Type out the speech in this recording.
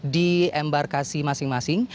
di embarkasi masing masing